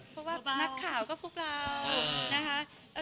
เพราะว่านักข่าวก็พวกเรานะคะ